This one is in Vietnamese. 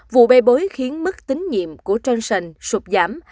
vụ bê bối khiến mức tính nhiệm của johnson sụp giảm